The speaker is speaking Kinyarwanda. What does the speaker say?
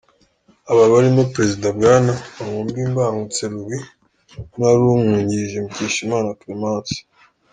Aba barimo president Bwana Maombi Mbangutse Louis n’uwari umwungirije Mukeshimana Clémence.